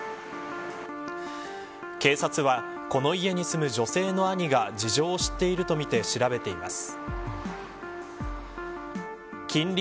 警察はこの家に住む女性の兄が事情を知っているとみて調べています。